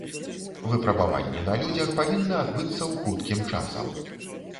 Выпрабаванні на людзях павінны адбыцца ў хуткім часам.